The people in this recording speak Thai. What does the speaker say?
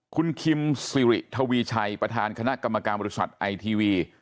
คุณคิมสิริทวีชัยประธานคณะกรรมการบริษัทไอทีวี